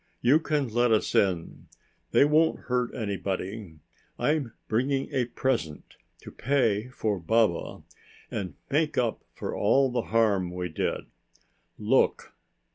You can let us in. They won't hurt anybody. I'm bringing a present to pay for Baba and make up for all the harm we did. Look."